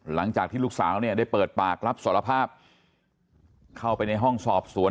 หลังจากที่ลูกสาวเนี่ยได้เปิดปากรับสารภาพเข้าไปในห้องสอบสวน